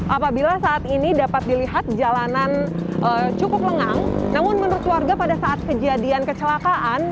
apabila saat ini dapat dilihat jalanan cukup lengang namun menurut warga pada saat kejadian kecelakaan